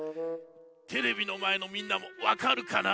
テレビのまえのみんなもわかるかな？